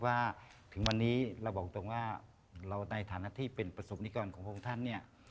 ว่าถึงวันนี้เราบอกตรงว่าเราในฐานะที่เป็นประสบนิกรของพระองค์ท่านเนี่ย